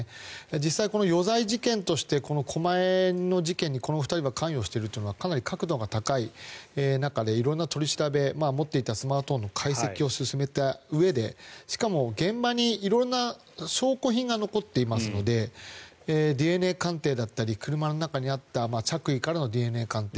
実際、この余罪事件として狛江の事件にこの２人は関与しているというのはかなり確度が高い中で色んな取り調べ持っていたスマートフォンの解析を進めたうえでしかも、現場に色々な証拠品が残っていますのでＤＮＡ鑑定だったり車の中にあった着衣からのＤＮＡ鑑定。